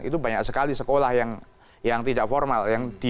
itu banyak sekali sekolah yang tidak formal